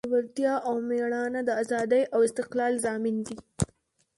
زړورتیا او میړانه د ازادۍ او استقلال ضامن دی.